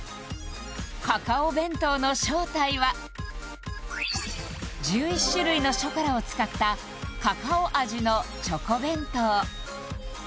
カカオ弁当の正体は１１種類のショコラを使ったカカオ味のチョコ弁当